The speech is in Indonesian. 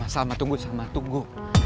salma tunggu salma tunggu